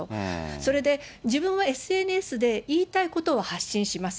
それで、自分はＳＮＳで言いたいことを発信します。